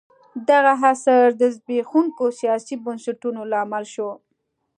دغه عصر د زبېښونکو سیاسي بنسټونو لامل شو.